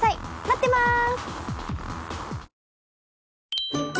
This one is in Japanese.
待ってます。